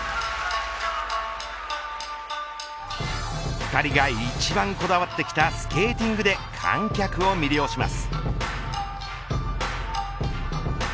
２人が一番こだわってきたスケーティングで観客を魅了します。